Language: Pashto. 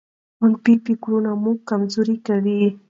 منفي فکرونه مو کمزوري کوي.